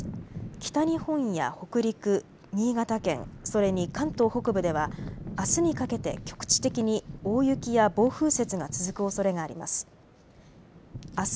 北日本や北陸、新潟県、それに関東北部ではあすにかけて局地的に大雪や暴風雪が続くおそれがあります。